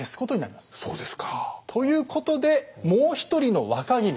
そうですか。ということでもう一人の若君。